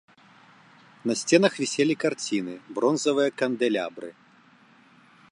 На сценах віселі карціны, бронзавыя кандэлябры.